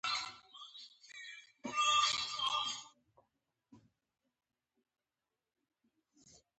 افغان لوبغاړي په هره سیالي کې خپلې هڅې په ښه توګه وړاندې کوي.